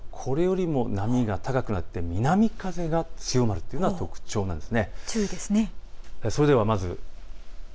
あすはこれよりも波が高くなって南風が強まるというのが特徴なんです。